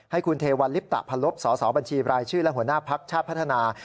ให้คุณเทวัลลิปตะพลบสสบัญชีรายชื่อและหัวหน้าภักดิ์ชาติพัฒนา